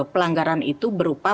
pelanggaran itu berupa